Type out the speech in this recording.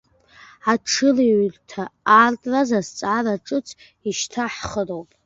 Аҽырҩырҭа аартраз азҵаара ҿыц ишьҭаҳхроуп.